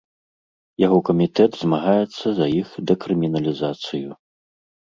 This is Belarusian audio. Яго камітэт змагаецца за іх дэкрыміналізацыю.